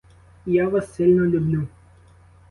І я вас сильно люблю.